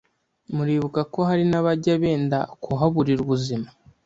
Muribuka ko hari n’abajya benda kuhaburira ubuzima.